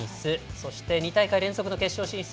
そして２大会の決勝進出